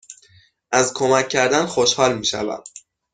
از کمک کردن خوشحال می شوم.